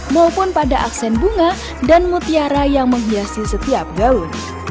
maupun pada aksen bunga dan mutiara yang menghiasi setiap gaun